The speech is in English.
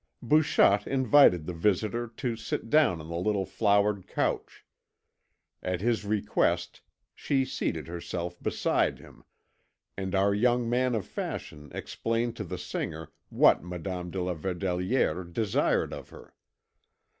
Bouchotte invited the visitor to sit down on the little flowered couch; at his request she seated herself beside him, and our young man of fashion explained to the singer what Madame de la Verdelière desired of her.